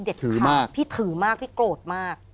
เด็ดขาวพี่ถือมากพี่โกรธมาก